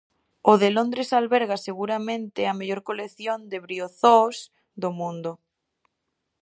O de Londres alberga seguramente a mellor colección de briozoos do mundo.